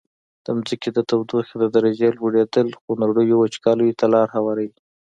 د ځمکي د تودوخي د درجي لوړیدل خونړیو وچکالیو ته لاره هواروي.